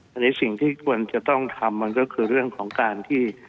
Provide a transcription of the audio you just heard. อันนี้สิ่งที่ควรจะต้องทำมันก็คือเรื่องของการที่